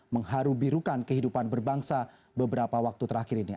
mengharubirukan kehidupan berbangsa beberapa waktu terakhir ini